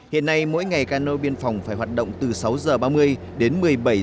hiện nay mỗi ngày cán bộ biên phòng phải hoạt động từ sáu h ba mươi đến một mươi bảy h ba mươi